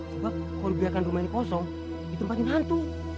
sebab kalau gerakan rumah ini kosong ditempatin hantu